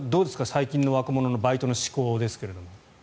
最近の若者のバイトの志向ですが。